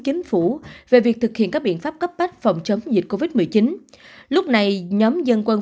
chính phủ về việc thực hiện các biện pháp cấp bách phòng chống dịch covid một mươi chín lúc này nhóm dân quân